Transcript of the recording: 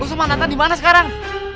lo sama nathan dimana sekarang